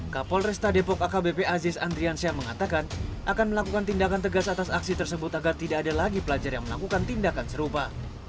kapol resta depok akbp aziz andriansyah mengatakan akan melakukan tindakan tegas atas aksi tersebut agar tidak ada lagi pelajar yang melakukan tindakan serupa